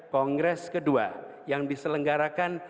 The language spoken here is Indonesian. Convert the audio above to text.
kongres kedua yang diselenggarakan